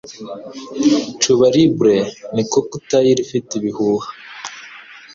Cuba Libre ni cocktail ifite ibihuha.